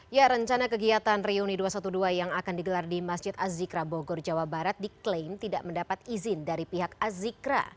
ya rencana kegiatan reuni dua ratus dua belas yang akan digelar di masjid azikra bogor jawa barat diklaim tidak mendapat izin dari pihak azikra